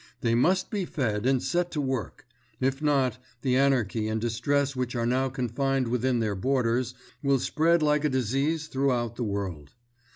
They must be fed and set to work; if not, the anarchy and distress which are now confined within their borders, will spread like a disease throughout the world.